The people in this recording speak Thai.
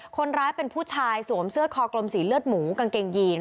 คนร้ายเป็นผู้ชายสวมเสื้อคอกลมสีเลือดหมูกางเกงยีน